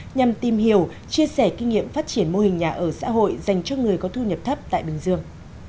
nhằm tìm hiểu chia sẻ kinh nghiệm phát triển mô hình nhà ở xã hội dành cho người có thu nhập thấp tại bình dương